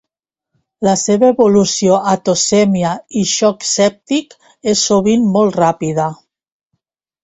La seva evolució a toxèmia i xoc sèptic és sovint molt ràpida.